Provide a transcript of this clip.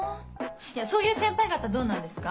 そういう先輩方どうなんですか？